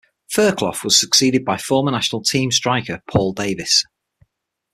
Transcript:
Fairclough was succeeded by former national team striker Paul Davis.